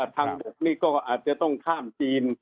ทางบกนี่ก็อาจจะต้องข้ามจีน